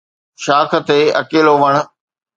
شاخ تي اڪيلو وڻ